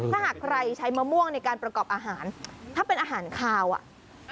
ถ้าหากใครใช้มะม่วงในการประกอบอาหารถ้าเป็นอาหารคาวอ่ะ